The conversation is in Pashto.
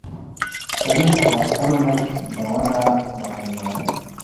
تاریخ د خپل ولس د وده لامل دی.